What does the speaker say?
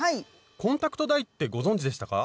「コンタクトダイ」ってご存じでしたか？